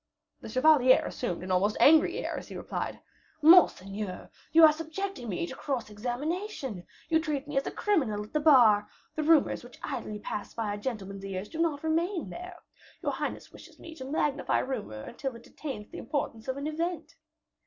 The chevalier assumed almost an angry air, as he replied, "Monseigneur, you are subjecting me to cross examination; you treat me as a criminal at the bar; the rumors which idly pass by a gentleman's ears do not remain there. Your highness wishes me to magnify rumors until it attains the importance of an event."